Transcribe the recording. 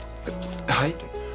はい？